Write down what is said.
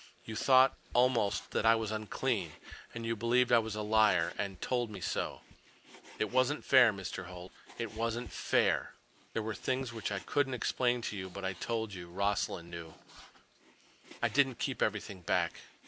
You thought, almost, that I was unclean. And you believed I was a liar, and told me so. It wasn't fair, Mr. Holt. It wasn't fair. There were things which I couldn't explain to you, but I told you Rossland knew. I didn't keep everything back.